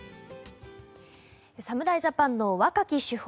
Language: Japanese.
侍ジャパンの若き主砲